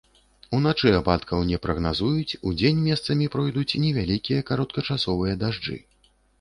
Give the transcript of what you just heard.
Уначы ападкаў не прагназуюць, удзень месцамі пройдуць невялікія кароткачасовыя дажджы.